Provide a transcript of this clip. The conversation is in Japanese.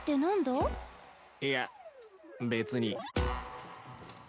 いや別に。